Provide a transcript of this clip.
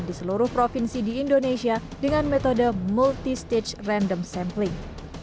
di seluruh provinsi di indonesia dengan metode multistage random sampling